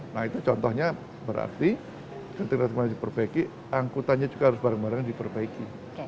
nah itu contohnya berarti ketika semuanya diperbaiki angkutannya juga harus bareng bareng diperbaiki